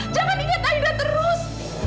jangan ingat aida terus